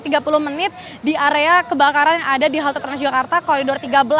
ini adalah pemandang kebakaran yang ada di halte transjakarta kloidor tiga belas